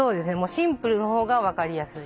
シンプルのほうが分かりやすい。